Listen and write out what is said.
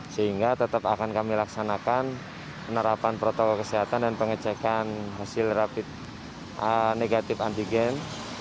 sehingga tetap akan kami laksanakan penerapan protokol kesehatan dan pengecekan hasil rapid negatif antigen